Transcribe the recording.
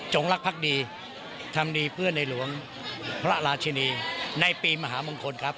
รักภักดีทำดีเพื่อในหลวงพระราชินีในปีมหามงคลครับ